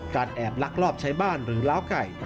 แอบลักลอบใช้บ้านหรือล้าวไก่